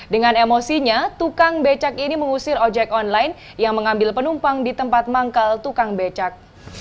dengan emosinya tukang becak ini mengusir ojek online yang mengambil penumpang di tempat manggal tukang becak